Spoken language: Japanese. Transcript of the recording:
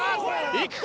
いくか？